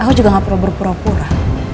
aku juga gak perlu berpura pura